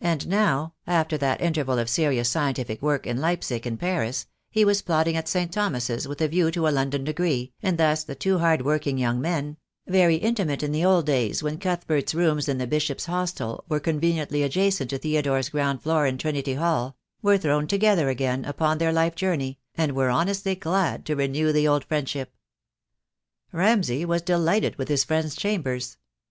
And now, after that interval of serious scientific work in Leipsic and Paris, he was plodding at St. Thomas' with a view to a London decree, and thus the two hard working young men — very intimate in the old days when Cuthbert's rooms in the Bishop's Hostel were conveniently adjacent to Theodore's ground floor in Trinity Hall — were thrown together again upon their life journey, and were honestly glad to renew the old friendship. Ramsay was delighted with his friend's chambers.